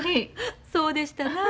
そうでしたなあ。